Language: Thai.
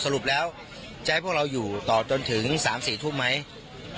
สมุติแล้วจะให้พวกเราอยู่ต่อต้นถึงสามสี่ทุ่มไมค์